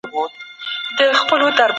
استازي به د خپلو موکلينو اندېښنې بيانوي.